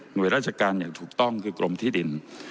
โดยราชการอย่างถูกต้องคือกรมที่ดิน